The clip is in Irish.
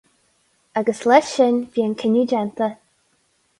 Agus leis sin, bhí an cinneadh déanta.